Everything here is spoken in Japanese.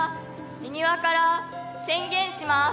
恵庭から宣言します。